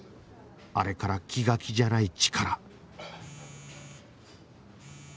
あれから気が気じゃないチカラ